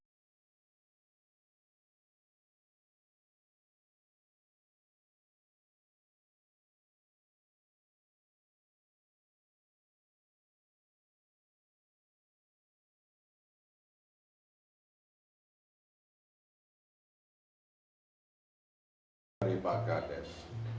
selamat pagi pak kades